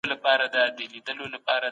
د انسان فکر او شعور په لوستلو سره پخېږي.